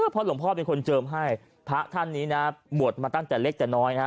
เพราะหลวงพ่อเป็นคนเจิมให้พระท่านนี้นะบวชมาตั้งแต่เล็กแต่น้อยนะฮะ